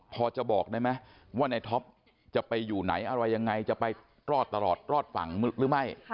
พอจะบอกได้ไหมว่าในท็อปจะไปอยู่ไหนอะไรยังไงจะไปรอดตลอดรอดฝั่งหรือไม่